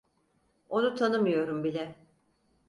Onu tanımıyorum bile.